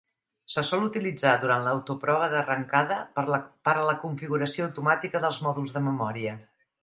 Se sol utilitzar durant la autoprova d'arrencada per a la configuració automàtica dels mòduls de memòria.